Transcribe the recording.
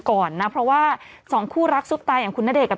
ก่อนนะเพราะว่าสองคู่รักซุปตาอย่างคุณณเดชนกับ